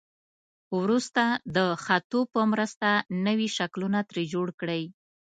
وروسته د خطو په مرسته نوي شکلونه ترې جوړ کړئ.